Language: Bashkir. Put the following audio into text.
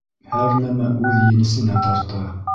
Һәр нәмә үҙ енесенә тарта.